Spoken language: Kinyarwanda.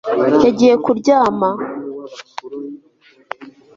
Yagiye kuryama